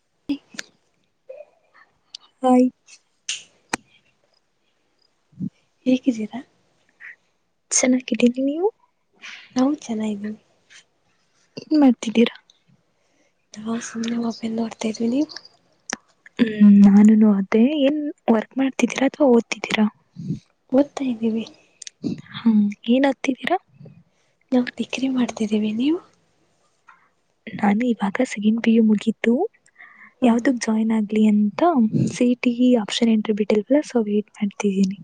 [inaudible] Hi, ಜರಾ [unintelligible] ಚೆನ್ನಾಗಿದ್ದೀವಿ, ನಾವು ಚೆನ್ನಿದ್ದೀವಿ. ಇನ್ ಮಾಡ್ತಿದ್ದೀರಾ [unintelligible] ನಾ ಸುಮ್ನೆ ಮೋಬೈಲ್ ನೋಡ್ತಾ ಇದ್ವಿ. ನೀವು ಹ್ಮ್, ನಾನು ಅದೇ ಏನ್ ವರ್ಕ್ ಮಾಡ್ತಿದ್ದೀರಾ ಅಥವಾ ಓದ್ತಿದ್ದೀರಾ. ಓದ್ತಾ ಇದ್ದೀವಿ. ಹ್ಮ, [inaudible] ಏನ್ ಹತಿದ್ದೀರಾ ನಾವು ಡಿಗ್ರಿ ಮಾಡ್ತಿದ್ದೀವಿ ನೀವು. ನಾನು ಇವಾಗ ಸೆಕೆಂಡ್ ಪಿ, ಯು ಮುಗಿದ್ದು ಹ ಯಾವ್ದಗ್ ಜಾಯ್ನ್ ಆಗ ಅಂತ ಸಿ, ಟಿ ಆಪ್ಷನ್ [unintelligible] ಎಂಟ್ರಿ ಬಿಟ್ಟಿಲ್ವ ಸೊ ವೇಟ್ ಮಾಡ್ತಿದೀನಿ.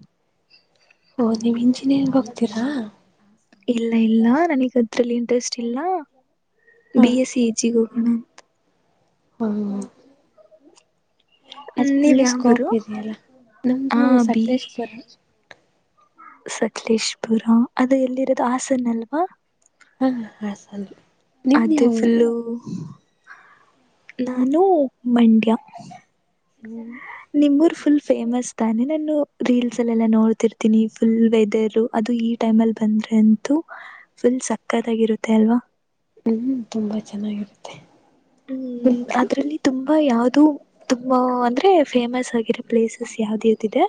ಓ! ನೀವ್ ಇಂಜಿನಿಯರ್ಂಗ ಹೋಗ್ತೀರಾ, ಇಲ್ಲ, ಇಲ್ಲ ನನಗ್ ಅದ್ರಲ್ಲಿ ಇಂಟ್ರೆಸ್ಟ್ ಇಲ್ಲ ಹ ಬಿ, ಎಸ್ ಸಿ ಹೆಚ- ಹಣ [inaudible] ಹ್ಮ [unintelligible] ಹ್ಮ, ಅದು ನೀವ್ ಒಳ್ಳೆ ಸ್ಕೋಪ್ ಯಾವೂರು ಇದೆಯಲ್ಲ ನಮ್ದು ಸಕಲೇಶ್ಪುರ ಸಕಲೇಶ್ಪುರ, ಅದು ಎಲ್ಲಿರೋದು ಹಾಸನ ಅಲ್ವಾ ಹಾ ಹಾ ಸಲ್ [unintelligible] ಅದೇಫುಲ್ಲು [unintelligible] ನಾನು ಮಂಡ್ಯ, ಹ್ಮ್ ನಿಮ್ ಊರ್ ಫುಲ್ ಫೇಮಸ್ ತಾನೆ ನಾನು ರೀಲ್ಸ್ ಅಲ್ಲೆಲ್ಲಾ ನೋಡ್ತಿರ್ತೀನಿ. ಫುಲ್ ವೆದರ್ ಅದು ಈ ಟೈಮ್ ಅಲ್ಲಿ ಬಂದ್ರೆ ಅಂತೂ ಫುಲ್ ಸಕ್ಕತಾಗಿರುತ್ತೆ ಅಲ್ವಾ. ಹ್ಮ್ ತುಂಬಾ ಚೆನ್ನಾಗಿರುತ್ತೆ ಹ್ಮ ಅದ್ರಲ್ಲಿ ತುಂಬಾ ಯಾವ್ದ ಅದು ತುಂಬಾ ಅಂದ್ರೆ ಫೇಮಸ್ ಆಗಿರೋ ಪ್ಲೇಸಸ್ ಯಾವದ್ಯಾವದ ಇದೆ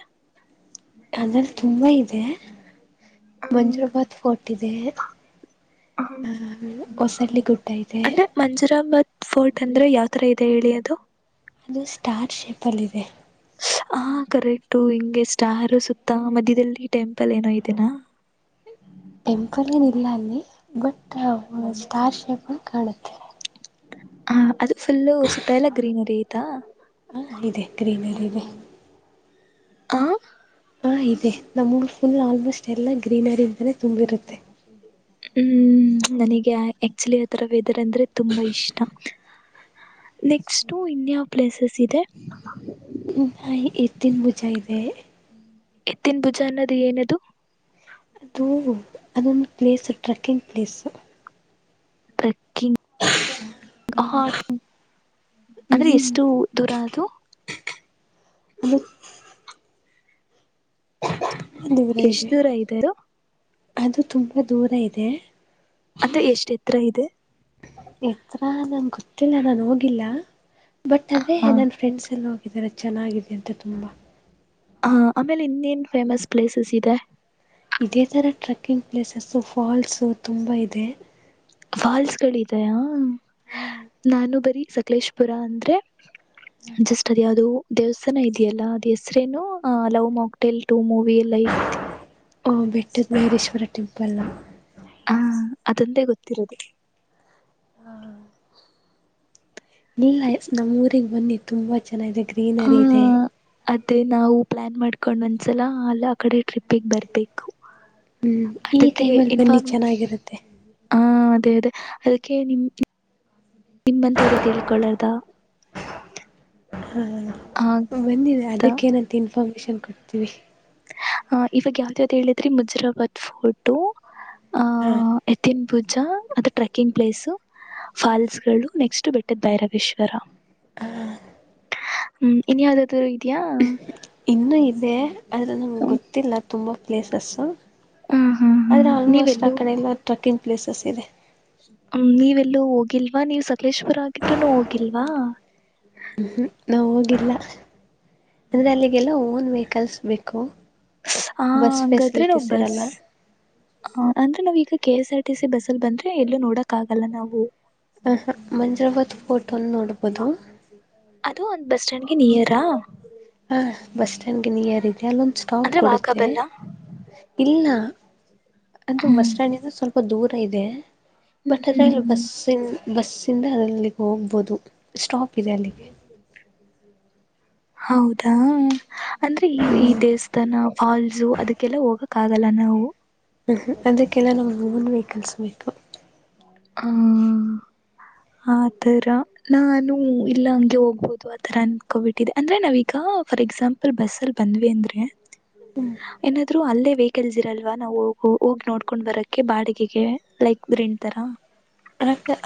ಅದರಲ್ಲ ತುಂಬಾ ಇದೆ ಮಂಜುರಾಬಾದ್ ಫೋರ್ಟ್ ಇದೆ ಹೊಸಳ್ಳಿ ಗುಡ್ಡ ಇದೆ ಅಂದ್ರೆ ಮಂಜುರಾಬಾದ ಫೋರ್ಟ್ ಅಂದ್ರೆ ಯಾವ್ ತರ ಇದೆ ಹೇಳಿ ಅದು ಅದು ಸ್ಟಾರ್ ಶೇಪ್ ಅಲ್ಲಿ ಇದೆ ಹ ಕರೆಕ್ಟು ಹಿಂಗೆ ಸ್ಟಾರ ಸುತ್ತ ಮಧ್ಯದಲ್ಲಿ ಟೆಂಪಲ್ ಏನೋ ಇದೆನಾ ಟೆಂಪಲ್ ಏನ್ ಇಲ್ಲ ಅಲ್ಲಿ ಬಟ್ ಸ್ಟಾರ್ ಶೇಪಲ ಕಾಣತ್ತೆ ಹ ಅದು ಫುಲ್ಲು ಸುತ್ತ ಎಲ್ಲ ಗ್ರೀನರಿ ಐತಾ ಗ್ರೀನರಿನೆ ಆ ಹಾ ಇದೆ ನಮ್ಮೂರ ಫುಲ್ ಆಲ್ಮೋಸ್ಟ್ ಎಲ್ಲಾ ಗ್ರೀನರಿ ಇಂದಾನೇ ತುಂಬಿರುತ್ತೆ ಹ್ಮ್ ನನಿಗೆ ಆಕ್ಚುಲಿ ಆಥರ ವೆದರ್ ಅಂದ್ರೆ ತುಂಬಾ ಇಷ್ಟ ನೆಕ್ಸ್ಟು ಇನ್ನ ಯಾವ ಪ್ಲೇಸಸ್ ಇದೆ ಎತ್ತಿನ್ ಬುಜಾ ಇದೆ ಎತ್ತಿನ್ ಭುಜಾನ್ನದು ಏನದು ಅದು ಅದೊಂದು ಪ್ಲೇಸ್ ಟ್ರೆಕ್ಕಿಂಗ್ ಪ್ಲೇಸು ಕ್ಕಿಗ್ ಹ ಅಂದ್ರೆ ಹ್ಮ್ ಎಷ್ಟು ದೂರ ಅದು ಅದು ತುಂಬಾ ಎಷ್ಟ ಇದೆ ದೂರ ಇದ್ದೇ ಅದು ಅದು ತುಂಬಾ ದೂರ ಇದೆ ಅದೇ ಎಷ್ಟ್ ಎತ್ತರ ಇದೆ ಹೆತ್ರ ನನ್ಗ ಗೊತ್ತಿಲ್ಲ ನಾನ ಹೋಗಿಲ್ಲ ಬಟ್ ಅದೇ ಹಾ ಹ ನನ್ ಫ್ರೆಂಡ್ಸ್ ಎಲ್ಲ ಹೋಗ ಇದರ ಚೆನ್ನಾಗಿದೆ ಅಂತ ತುಂಬಾ ಹ ಆಮೇಲ ಇನ್ನೇನ್ ಫೇಮಸ್ ಪ್ಲೇಸಸ್ ಇದೆ ಇದೇ ತರ ಟ್ರಕ್ಕಿಂಗ್ ಪ್ಲೇಸಸು ಫಾಲ್ಸು ತುಂಬಾ ಇದೆ ಫಾಲ್ಸ್ ಗಳಿದೆಯ ಹಾ ನಾನು ಬರಿ ಸಕಲೇಶ್ಪುರ ಅಂದ್ರೆ ಹಾ ಜಸ್ಟ್ ಅದ ಯಾವ್ದದು ದೇವಸ್ಥಾನ ಇದೆಯಲ್ಲ ಅದ ಹೆಸ್ರೇನು ಲವ್ ಮಾಕ್ಟೆಲ್ ಟು ಮೂ ಓ ಬೆಟ್ಟದ ಬೈರೇಶ್ವರ ಟೆಂಪಲಾ ಹಾ ಅದೊಂದೇ ಗೊತ್ತಿರೋದು ಹಾ ಲಿಲ್ಲಾ ಎಸ್ ನಮ್ಮ ಊರಿಗೆ ಬನ್ನಿ ತುಂಬಾ ಚೆನ್ನಾಗಿದೆ ಗ್ರೀನರಿ ಇದೆ ಮತ್ತೆ ನಾವು ಪ್ಲಾನ್ ಮಾಡ್ಕೊಂಡ್ ಒಂದ್ಸಲ ಅಲ್ಲ ಆ ಕಡೆ ಟ್ರಿಪ್ಪಿಗ ಬರ್ಬೇಕು ಹ್ಮ್ ಈ ಅದಕ್ಕೆ ಟೈಮಲ್ಲಿ ಬನ್ನಿ ಇನ್ಫಾರ್ಮ್ ಚೆನ್ನಾಗಿರುತ್ತೆ ಆ ಅದೇ ಅದೇ ಅದಕ್ಕೆ ನಿಮ ನಿಮ್ಮಂತವ್ರ ತಿಳ್ಕೊಳ್ಳದಾ ಹ [inaudible] ಹಾ ಬನ್ನಿ ಅದಕ್ಕೆನಂತ ಇನ್ಫಾರ್ಮೇಶನ್ ಕೊಡ್ತೀವಿ ಹ ಇವಾಗ ಯಾವ್ದಾವ್ದ್ ಹೇಳಿದ್ರಿ ಮುಜರಾಬಾದ್ ಫೋರ್ಟ ಆ ಹಾ ಎತ್ತಿನ ಪೂಜಾ ಅದ ಟ್ರೆಕ್ಕಿಂಗ್ ಪ್ಲೇಸ್ ಫಾಲ್ಸ್ ಗಳು ನೆಕ್ಸ್ಟ್ ಬೆಟ್ಟದ ಭೈರವೇಶ್ವರ ಹ ಹ್ಮ್ ಇನ್ನ ಯಾವದಾದರೂ ಇದಿಯಾ ಆದ್ರೆ ನಮ್ಗ ಗೊತ್ತಿಲ್ಲ ತುಂಬಾ ಪ್ಲೇಸಸ್ ಹಾ ಹಾ ಆದ್ರೆ ಆಲ್ಮೋಸ್ಟ್ ಆ ಕಡೆ ಎಲ್ಲ ಟ್ರೆಕ್ಕಿಂಗ್ ಪ್ಲೇಸಸ್ ಇದೆ ಹ್ಮ ನೀವೆಲ್ಲೂ ಹೋಗಿಲ್ವಾ ನೀವ್ ಸಕಲೇಶ್ವಪುರ ಆಗಿದ್ರೂನು ಹೋಗಿಲ್ವಾ ಹ್ಮ್ ನಾವ ಹೋಗಿಲ್ಲ ಅಂದ್ರೆ ಅಲ್ಲಿಗೆಲ್ಲ ಓನ್ ವೆಹಿಕಲ್ಸ್ ಬೇಕು ಹ ಬಸ್ ಹಂಗಾದ್ರೆ ನಾವ‌ ಫೆಸಿಲಿಟೀಸ್ ಬಸ್ ಇರಲ್ಲ ಅಂದ್ರೆ ನಾವ ಈಗ K S R T C ಬಸ್ಸ ಅಲ್ಲ ಬಂದ್ರೆ ಎಲ್ಲೂ ನೋಡಕ್ ಆಗಲ್ಲ ನಾವು ಹ ಹ ಮಂಜ್ರಾಬಾದ್ ಪೂಟ್ ಒಂದ ನೋಡ್ಬೋದು ಅದು ಒಂದ್ ಬಸ್ ಸ್ಟ್ಯಾಂಡ್ಗೆ ನಿಯರಾ ಹಾ ಬಸ್ ಸ್ಟ್ಯಾಂಡ್ಗೆ ನೀಯರ್ ಇದ ಅಲ್ಲೊಂದು ಸ್ಟಾಪ್ ಅಂದ್ರೆ ಕೊಡುತ್ತೆ ವಾಕಬಲ್ಲ ಇಲ್ಲ ಅದು ಹ್ಮ್ ಬಸ್ ಸ್ಟ್ಯಾಂಡ್ಂದ ಸ್ವಲ್ಪ ದೂರ ಇದೆ ಬಟ್ ಅದ್ರಲ್ಲಿ ಹ್ಮ್ ಬಸ್ಸ ಬಸ್ಸಿಂದ ಅಲ್ಲಿಗೆ ಹೋಗ್ಬೋದು ಸ್ಟಾಪ್ ಇದೆ ಅಲ್ಲಿಗೆ ಹೌದಾ ಅಂದ್ರೆ ಈ ಈ ಹ್ಮ್ ದೇವಸ್ಥಾನ ಫಾಲ್ಸು ಅದಕ್ಕೆಲ್ಲ ಹೋಗ ಕ್ಕಾಗಲ್ಲ ನಾವು ಹ್ಮ್ ಅದಕ್ಕೆಲ್ಲಾ ನಾವ್ ನ್ ವೆಹಕಲ್ಸ್ ಬೇಕು [unintelligible] ಹ್ಮ್ ಆ ತರ ನಾನು ಇಲ್ಲ ಹಂಗೆ ಹೋಗ್ಬೋದು ಆತರ ಅನ್ಕೊಬಿಟ್ಟಿದೆೆ ಅಂದ್ರೆ ನಾವೀಗ ಫ ಎಸಾಂಪಲ್ ಬಲ್ಲಿ ಬಂದ್ ಅಂದ್ರೆ ಏನ್ೂ ಅಲ್ಲ ವೆಹಿಕಲ್ಸ್ ಇರಲ್ವಾ ನಾವು ಹೋಗ ಹೋಗಿ ನೋಡ್ಕೊಂಡ್ ಬರಕ್ಕೆ ಬಾಡಿಗೆಗೆ ಲೈಕ್ ರೆಂಟ್ತರ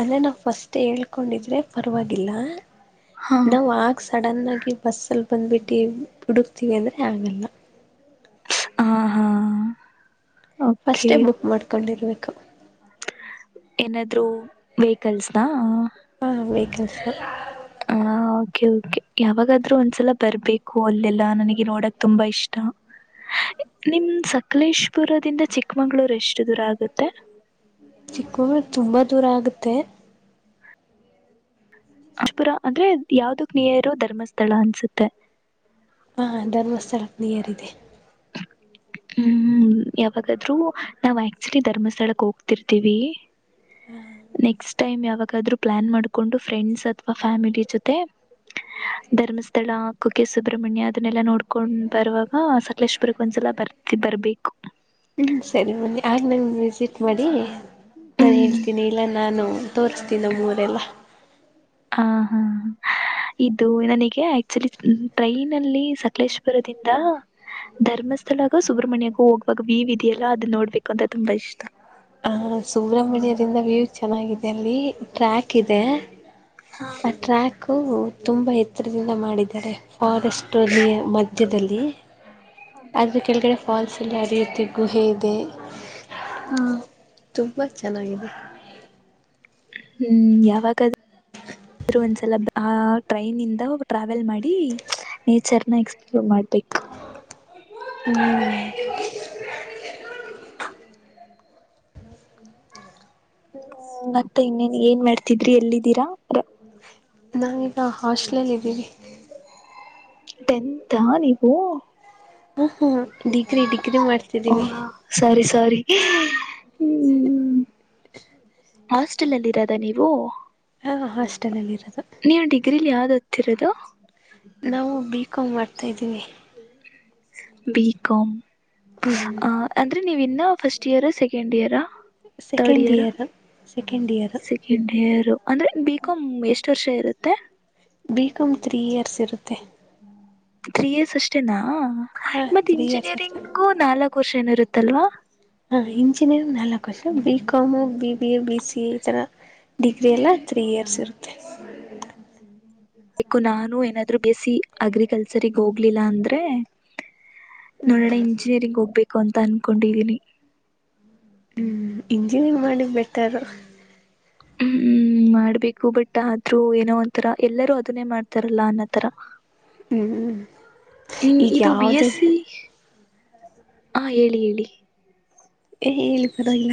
ಅದ್ರ ನಾ ಫಸ್ಟ್ ಹೇಳ್ಕೊಂಡಿದ್ರೆ ಪರವಾಗಿಲ್ಲ ಹಾ ನಾವ್ ಆ ಸಡನ್ನ ಆಗಿ ಬಸ್ಸಲ್ಲಿ ಬಂದ್ಬಿಟ್ಟು ಹುಡುಕ್ತೀವಿ ಅಂದರೆ ಆಗಲ್ಲ ಹಾ ಹಾ ಫಾಸ್ಟ್ ಓಕೆ ಬುಕ್ ಮಾಡ್ಕೊಂಡಿರ್ಬೇಕು ಏನಾದ್ರು ವೆಹಿಕಲ್ಸ್ನ ಹಾ ವಹಿಕಲ್ಸ್ [inaudible] ಹಾ ಓಕೆ ಓಕೆ ಯಾವಾಗಾದ್ರೂ ಒಂದ್ಸಲ ಬರ್ಬೇಕು ಅಲ್ಲೆಲ್ಲಾ ನನಗೆ ನೋಡಕ್ ತುಂಬಾ ಇಷ್ಟ ನಿಮ ಸಕಲೇಶ್ಪುರದಿಂದ ಚಿಕ್ಕಮ್ಗಳೂರ್ ಎಷ್ಟು ದೂರ ಆಗುತ್ತೆ ಚಿಕ್ಕಳ ತುಂಬಾ ದೂರ ಆಗುತ್ತೆ ರಜಪುರ [unintelligible] ಅಂದ್ರೆ ಯಾವ್ದ ಕ ನಿಯರ್ ಇರೋ ಧರ್ಮಸ್ಥಳ ಅನ್ಸುತ್ತೆ ಹಾ ಧರ್ಮಸ್ಥಳಕ್ಕೆ ನಿಯರ್ ಇದೆ ಹ್ಮ್ ಯಾವಾಗಾದ್ರೂ ನಾವವು ಆಕ್ಚುಲಿ ಧರ್ಮಸ್ಥಳಕ್ ಹೋಗ್ತಿರ್ತಿೀವಿ ನೆಕ್ಸ್ಟ್ ಟೈಮ್ ಯಾವಾಗಾದ್ ರೂ ಪ್ಲಾನ್ ಮಾಡ್ಕೊಂಡು ಫ್ರೆಂಡ್ಸ್ ಅಥವಾ ಫ್ಯಾಮಿಲಿ ಜೊತೆ ಧರ್ಮಸ್ಥಳ ಕುಕ್ಕೆ ಸುಬ್ರಹ್ಮಣ್ಯ ಅದನ್ನೆಲ್ಲಾ ನೋಡ್ಕೊಂಡ್ ಬರುವಾಗ ಲಷ್ಟ್ ಬರ್ಕ್ ಒಂದ್ಸಲ ಬರ್ತಿ ಬರ್ಬೇಕು ಹ್ಮ್ ಸರಿ ಬನ್ನಿ ಆಗ ನಂಗ ವಿಸಿಟ್ ಮಾಡಿ ನಾಾನು ಹೇಳ್ತೀನಿ ಇಲ್ಲ ನಾನು ತೋರಿಸ್ತೀವಿ ನಮ್ಮ ವರೆಲ್ಲ ಹ ಹಾ ಇದು ನನಗೆ ಆಕ್ಚುಲಿ ಟ್ರೈನ್ಲ್ಲಿ ಸಕಲೇಶ್ವುರದಿಂದ ಧರ್ಮಸ್ಥಳಾಗ ಸುಬ್ರಹ್ಮಣ್ಯಗೂ ಹೋಗುವಾಗ ವಿ ಇದೆಯಲ್ಲ ಅದನ್ನ ನೋಡ್ಬೇಕು ಅಂತ ತುಂಬಾ ಇಷ್ಟ ಹ ಸುಬ್ರ್ಮಣ್ಯರಿಂದ ವ್ಯೂ ಚೆನ್ನಾಗಿದೆ ಅಲ್ಲಿ ಟ್ರ್ಯಾಕ್ ಇದೆ ಆ ಟ್ರ್ಯಾಕು ತುಂಬಾ ಎತ್ತರದಿಂದ ಮಾಡಿದ್ದಾರೆ ಫಾರೆಸ್ಟ್ ಮಧ್ಯದಲ್ಲಿ [inaudible] ಆದರೂ ಕೆಳಗಡೆ ಫಾಲ್ಸ್ಲ್ಲಿ ಅದೇ ರೀತಿ ಗುಹೆ ಇದೆ [inaudible] ತುಂಬ ಚೆನ್ನಾಗಿದೆ [inaudible] ಹ್ಮ್ ಯಾವಾಗ ಆದರು ಒಂದ್ಸಲ ಆ ಟ್ರೈನ್ ಇಂದ ಟ್ರಾವೆಲ್ ಮಾಡಿ ನೇಚರ್ನ ಎಕ್ಸ್ಪ್ಲೋರ್ ಮಾಡಿ ಬೆ ಹ [inaudible] ಹ್ಮ ಮತ್ತ ಇನ್ನೇನ್ ಏನ್ ಮಾಡ್ತಿದ್ರಿ ಎಲ್ಲಿದ್ದೀರಾ ನಾವೀಗ ಹಾಸ್ಟೆಲ್ಲ್ಲಿ ಇದ್ದೀಿ ಟೆಂತಾ ನೀವು ಹ ಹ ಡಿಗ್ರಿ ಡಿಗ್ರಿ ಓ ಮಾಡ್ತಿದ್ದೀವಿ ಸರಿ ಸರಿ ಹ್ಮ್ ಹಾಸ್ಟೆಲ್ ಅಲ್ಲಿ ಇರದ ನೀವು ಹಾ ಹಾಸ್ಟೆಲ್ ಅಲ್ಲಿ ಇರುತ್ತೆ ಹತ್ತರದು ನಾವು ಬಿ ಕಾಾಮ್ ಮಾಡ್ತಾಿದ್ದೀವಿ ಬಿ ಕಾಾಮ್ ಹ್ಞೂ ಅ ಅಂದ್ರೆ ನೀವಿನ್ನ first year second year ರ್ಡ್ year second year second year ಅಂದ್ರೆ ಬಿಕಾಾಮ್ ಎಷ್ಟ ಚೋರ್ಷೆ ಇರುತ್ತೆ ಬ ಕಮ್ ತ್ರೀ ಇಯರ್ಸ್ ಇರುತ್ತೆ ತ್ರೀ ಇಯರ್ಸ್ ಅಷ್ಟೇನಾ ಹ ಹಾಂ ಮತ್ತೆ ತ್ರೀ ಇಯರ್ಸ್ ಅಷ್ಟೆ ಇಂಜಿನಿಯರಿಂಗು ನಾಲ್ಕು ವರ್ಷ ಏನ ಇರುತ್ತಲ್ವಾ ಹಾ ಇಂಜಿನಿಯರಿಂಗ್ ನಲ್ಲ ಖುಷ B com B B B C ಈ ತರ ಡಿಗ್ರಿ ಎಲ್ಲ ತ್ರೀ ಇಯರ್ಸ್ ಇರುತ್ತೆ ಬು ನಾನು ಏನಾದ್ರು ಬಿಎಸ್ಎಸ್ಸಿ ಅಗ್ರಿಕಲ್ಚರ್ಗ್ ಹೋಗ್ಲಿಲ್ಲ ಅಂದ್ರೆ ನೋಡೋಣ ಇಂಜಿನಿಯರಿಂಗ್ ಹೋಗ್ಬೇಕು ಅಂತ ಅನ್ಕೊಂಡಿದೀನಿ ಹ್ಮ್ ಇಂಜಿನಿಯರ್ ಮಾಡಿ ಬೆಟರ್ ಹ್ಮ್ ಮಾಡ್ಬೇಕು ಬಟ್ ಆದ್ರೂ ಏನೋ ಒಂತರ ಎಲ್ಲರೂ ಅದನ್ನೇ ಮಾಡ್ತಾರಲ್ಲ ಅನ್ನತರ ಹ್ಞೂ ಹ್ಮ್ ಈಗ ಇದು ಬಿ ಯಾವುದೇ ಎಸ್ಸ ಹಾ ಹೇಳಿ ಹೇಳಿ ಏ ಹೇಳಿ ಪರ ಇಲ್ಲ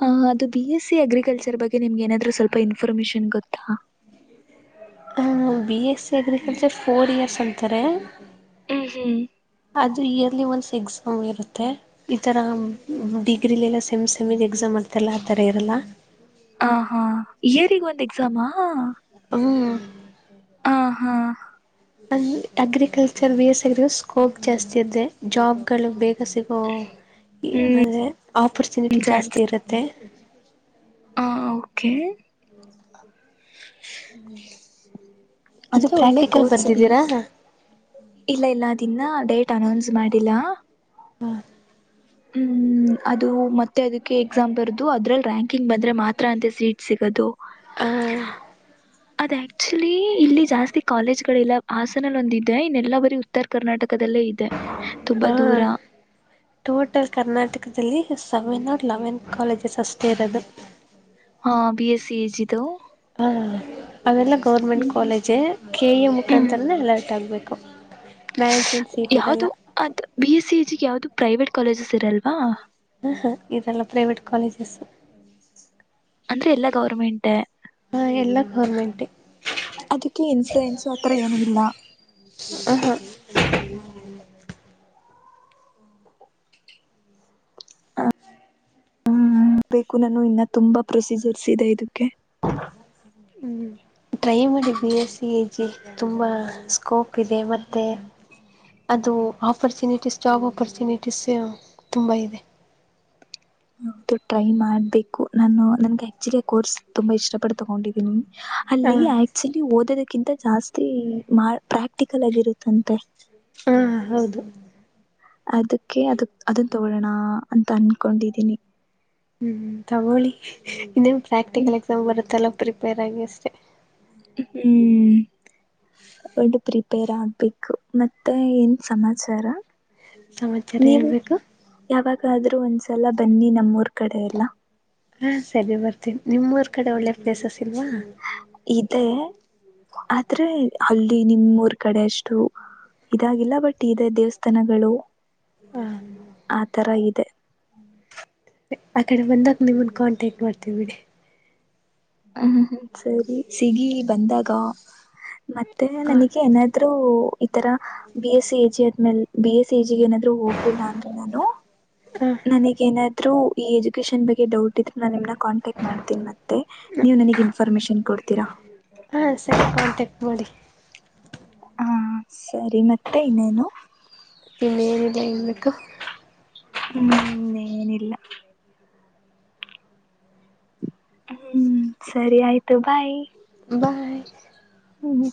ಹ ಅದು ಬಿ ಎಸ್ ಸಿ ಅಗ್ರಿಕಲ್ಚರ್ ಬಗ್ಗೆ ನಿಮ್ಗೆ ಏನಾದ್ೂ ಸ್ವಲ್ಪ ಇನ್ಫಾರ್ಮೇಶನ್ ಗೊತ್ತಾ B S C agriculture four years ಅಂತಾರೆ ಹ್ಮ್ ಹ್ಮ್ ಅದುದು ಇಯರ್ಲಿ ಒಂದಸ್ ಎಕ್ಸಾಮ್ ಇರುತ್ತೆ ಈತರ ಡಿಗ್ರಿಲಿ ಎಲ್ಲ ಸೆಮ್ ಸೆಮ ಎಕ್ಸಾಮ್ ಮಾಡ್ತಾರಲ್ಲ ಆಥರ ಇರಲ್ಲ ಹ ಹಾ ಇಯರ್ ಒಂದ್ ಎಕ್ಸಾಮಾ ಹ್ಮ್ೂ ಹ ಹಾ ಅ ಅಗ್ರಿಕಲ್ಚರ್ ಬಿ ಎಸ್ ಎಗ ಸ್ಕೋಪ್ ಜಾಸ್ತಿ ಅದೆ ಜಾಬ್ಗಳು ಬೇಗ ಸಿಗೋ ಹ್ಮ್ ಅರೆ ಆಪರ್ಚುನಿಟಿ ಜಾಸ್ತಿ ಚಾನ್ಸಸ್ ಇರುತ್ತೆ ಹ ಓಕೆ ಇದು ಅಂದ್ರೆ ಒಳ್ಳೆ ಪ್ರಾಕ್ಟಿಕಲ್ ಕೋರ್ಸ್ ಬಿ ಬರ್ದಿದ್ದೀರಾ ಎಸ್ ಇಲ್ಲ ಇಲ್ಲದನ್ನ ಡೇಟ್ ಅನೌನ್ಸ್ ಮಾಡಿಲ್ಲಾ ಹಾನ್ ಹ್ಮ್ ಅದು ಮತ್ತೆ ಅದಕ್ಕೆ ಎಕ್ಸಾಮ್ ಬರದು ಅದ್ರಲ್ಲಿ ರ್ಯಾಂಕಿಂಗ್ ಬಂದ್ರೆ ಮಾತ್ರ ಅಂತೆ ಸೀಟ್ ಸಿಗೋದು ಹಾಂ ಅದ ಆಕ್ಚುಲಿ ಇಲ್ಲಿ ಜಾಸ್ತಿ ಕಾಲೇಜಗಳಿಲ್ಲ ಹಾಸನ ಅಲ್ಲಿ ಒಂದಿದೆ ಇನ್ನೆಲ್ಲಾ ಬರಿ ಉತ್ತರ ಕರ್ನಾಟಕದಲ್ಲೇ ಇದೆ ತುಂಬಾ ದೂರ ಟೋಟಲ್ ಕರ್ನಾಟಕದಲ್ಲಿ ಸೆವೆನ್ ಆರ್ ಲೆವೆನ್ ಕಾಲೇಜಸ್ ಅಷ್ಟೇ ಇರೋದು ಹ ಬಿ ಎಸ್ ಸಿ ಎ ಜ ತ ಹಾ ಅವೆಲ್ಲ ಗೌರ್ಮೆಂಟ್ ಕಾಲೇಜೆ ಕೆ ಎ ಮುಖಾಂತರನ ಅಲರ್ಟ್ ಆಗ್ಬೇಕು ಯಾವು್ದ ಅದು ಬಿ ಎಸ್ ಸಿ ಜಿಗೆ ಯಾವ್ದ ಪ್ರೈವೇಟ್ ಕಾಲೇಜಸ್ ಇರಲ್ವಾ ಹ ಹ ಇದೆಲ್ಲ ಪ್ರೈವೇಟ್ ಕಾಲೇಜಸ್ ಅಂದ್ರೆ ಎಲ್ಲಾ ಗವರ್ಮೆಂಟ್ ಗೋರ್ಮೆಂಟ್ ಅದಕ್ಕೆ ಇನ್ಫ್ಲಯನ್ಸು ಅತ್ರ ಏನಿಲ್ಲ ಇ ಬೇಕು ನಾನು ಇನ್ನ ತುಂಬಾ ಪ್ರೊಸೀಜರ್ಸ್ ಇದೆ ಇದಕ್ಕೆ ಹ್ಮ್ ಟ್ರೈ ಮಾಡಿ B S C A G ತುಂಬ ಸ್ಕೋಪ್ ಇದೆ ಮತ್ತು ಅದು ಆಪರ್ಚುನಿಟೀಸ್ ಜಾಬ್ ಆಪರ್ಚುನಿಟೀಸ್ ತುಂಬ ಇದೆ ಟ್ರೈ ಮಾಡ್ಬೇಕು ನಾನು ನನ್ಗೆ ಆಕ್ ಕೋರ್ಸ್ ತುಂಬಾ ಇಷ್ಟಪಟ್ಟ ತಗೊಂಡಿದೀನಿ ಹಾ ಅಲ್ಲಿ ಆಕ್ಚುಲಿ ಓದೋದ ಕಿಂತ ಜಾಸ್ತಿ ಪ್ರಾಕ್ಟಿಕಲ್ ಆಗಿರುತ್ತಂತೆ ಹಾ ಹೌದು ಅದಕ್ಕೆ ಅದ ಅದನ್ ತಗೊಳ್ಳೋಣ ಅಂತ ಅನ್ಕೊಂಡಿದೀನಿ ಹ್ಮ್ ತಗೋಳಿ ಇನ್ನ ಪ್ರಾ್ಟಿಕಲ್ ಎಕ್ಸಾಮ್ ಬರತ್ತಲ್ಲ ಪ್ರಿಪೇರ್ ಆಗ ಅಷ್ಟೆ ಹ್ಮ್ ಡಾ ಪ್ರಿಪೇರ್ ಆಗ್ಬೇಕು ಮತ್ತೆ ಏನ್ ಸಮಾಚಾರ. ಸಮಾಚಾರ ಹೇಳ್ಬೇಕು. ಆದ್ರೂ ಒಂದ್ಸಲ ಬನ್ನಿ ನಮ್ಮೂರ್ ಕಡೆ ಎಲ್ಲ. ಹಾ ಸರಿ ಬರ್ತೀನಿ ನಿಮ್ಮ ಊರ್ ಕಡೆ ಒಳ್ಳೆ ಪ್ಲೇಸಸ ಇದೆ ಆದ್ರೆ ಅಲ್ಲಿ ನಿಮ್ಮೂರ್ ಕಡೆ ಅಷ್ಟು ಇದಾಗಿಲ್ಲ ಬಟ್ ಇದೆ ದೇವಸ್ಥಾನಗಳು ಹಾ ಆ ತರ ಇದೆ. ಆ ಕಡೆ ಬಂದಗ ನಿಮನ್ ಕಾಂಟ್ಯಾಕ್ಟ್ ಮಾಡ್ತೀವ ಬಿಡಿ. ಹ್ಮ ಹ್ಮ್ ಸರಿ ಸಿಗಿ ಬಂದಾಗ ಮತ್ತೆ ಹಾ ನನಗೆ ಏನಾದ್ರು ಈತರ ಬಿ ಎಸ್ ಸಿ ಜಿ ದ್ಮೇಲ್ ಬಿ ಎಸ್ ಎ ಜಿ ಏನಾದ್ರು ಹೋಗ್ಲಿಲ್ಲ ಅಂದ್ರ ನಾನು ಹಾ ನನಗನಾದ್ ತ್ರು ಈ ಎಜುಕೇಶಷನ್ ಬಗ್ಗೆ ಡೌಟ್ ಇದ್ರು ನಾ ನಿಮ್ ಕಾಂಟ್ಯಾಕ್ಟ್ ಮಾಡ್ತೀನಿ ಮತ್ತೆ ನೀವ ನನಗ್ ಇನ್ಫಾರ್ಮೇಶನ್ ಕೊಡ್ತೀರಾ. ಹಾ ಸರಿ ಕಾಂಟ್ಯಾಕ್ಟ್ ಮಾಡಿ. ಹಾ ಸರಿ ಮತ್ತೆ ಇನ್ನೇನು. ಇನ್ನೇನಿಲ್ಲ ಹೇಳಬೇಕು ಹ್ಮ ಏನಿಲ್ಲ. ಹ್ಮ ಸರಿ ಆಯ್ತು ಬಾಯ್. ಬಾ ಹ್ಮ್ ಹ್ಮ.